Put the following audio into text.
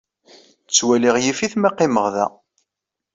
Ttwaliɣ yif-it ma qqimeɣ da.